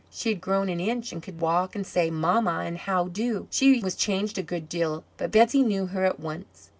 She had grown an inch, and could walk and say, "mamma," and "how do?" She was changed a good deal, but Betsey knew her at once.